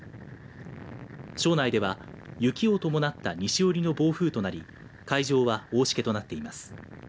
庄内では雪を伴った西寄りの暴風となり海上は大しけとなっています。